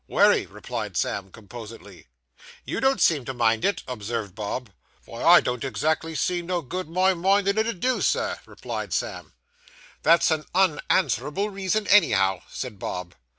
'Wery,' replied Sam composedly. 'You don't seem to mind it,' observed Bob. 'Vy, I don't exactly see no good my mindin' on it 'ud do, sir,' replied Sam. 'That's an unanswerable reason, anyhow,' said Bob.